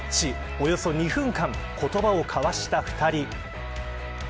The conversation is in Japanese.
およそ２分間言葉を交わした２人。